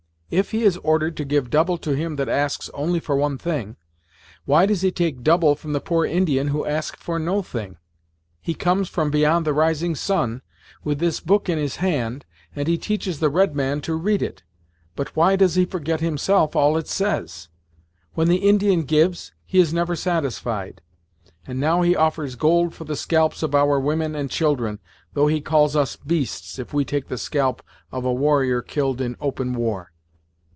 If he is ordered to give double to him that asks only for one thing, why does he take double from the poor Indian who ask for no thing. He comes from beyond the rising sun, with this book in his hand, and he teaches the red man to read it, but why does he forget himself all it says? When the Indian gives, he is never satisfied; and now he offers gold for the scalps of our women and children, though he calls us beasts if we take the scalp of a warrior killed in open war.